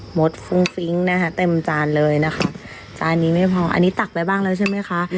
ดฟุ้งฟิ้งนะคะเต็มจานเลยนะคะจานนี้ไม่พออันนี้ตักไปบ้างแล้วใช่ไหมคะ